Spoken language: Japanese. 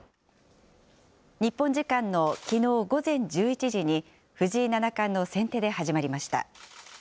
日本時間のきのう午前１１時に、藤井七冠の先手で始まりました。